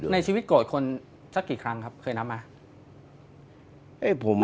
ในชีวิตโกรธคนสักกี่ครั้งเคยนำมา